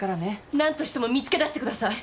何としても見つけ出してください。